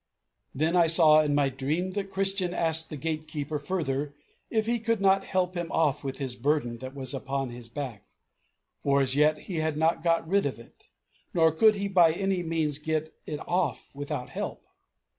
"Then I saw in my dream that Christian asked the Gatekeeper further if he could not help him off with his burden that was upon his back, for as yet he had not got rid of it, nor could he by any means get it off without help.